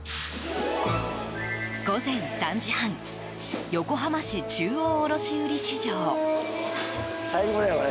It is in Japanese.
午前３時半横浜市中央卸売市場。